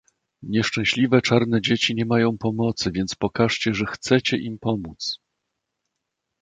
"Nieszczęśliwe czarne dzieci nie mają pomocy, więc pokażcie, że chcecie im pomóc."